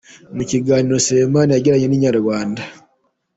Mu kiganiro Selemani yagiranye na Inyarwanda.